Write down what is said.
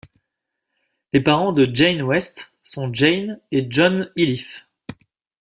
Les parents de Jane West sont Jane et John Iliffe.